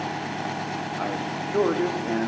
I have procur'd it, and....